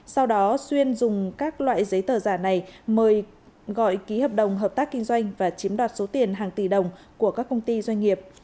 sau đó xuyên dùng các loại giấy tờ giả này mời gọi ký hợp đồng hợp tác kinh doanh và chiếm đoạt số tiền hàng tỷ đồng của các công ty doanh nghiệp